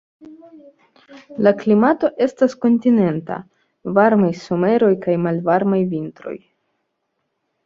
La klimato estas kontinenta: varmaj someroj kaj malvarmaj vintroj.